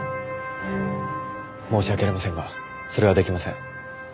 申し訳ありませんがそれはできません。